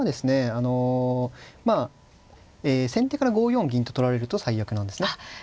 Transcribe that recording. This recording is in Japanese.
あのまあ先手から５四銀と取られると最悪なんですね。